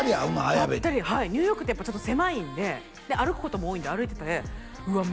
綾部にばったりはいニューヨークってやっぱちょっと狭いんでで歩くことも多いんで歩いててうわ